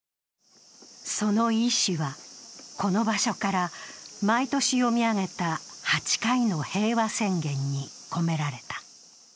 その意思は、この場所から毎年読み上げた８回の平和宣言に込められた。